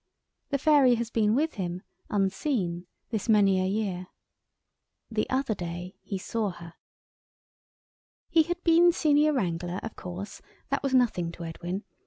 The fairy has been with him, unseen, this many a year. The other day he saw her. He had been Senior Wrangler, of course; that was nothing to Edwin.